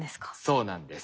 そうなんです。